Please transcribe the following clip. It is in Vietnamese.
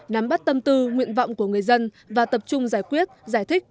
nắm bắt tâm tư nguyện vọng của người dân và tập trung giải quyết giải thích